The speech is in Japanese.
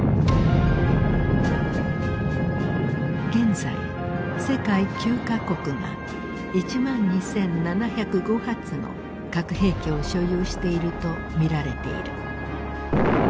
現在世界９か国が１万２，７０５発の核兵器を所有しているとみられている。